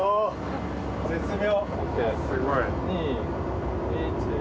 絶妙。